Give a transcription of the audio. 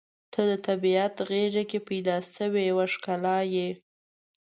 • ته د طبیعت غېږ کې پیدا شوې یوه ښکلا یې.